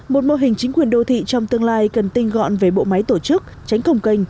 một mô hình chính quyền đô thị trong tương lai cần tinh gọn về bộ máy tổ chức tránh khổng kênh